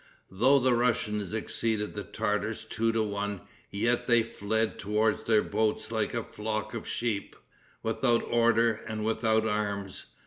Though the Russians exceeded the Tartars two to one, yet they fled towards their boats like a flock of sheep, without order and without arms.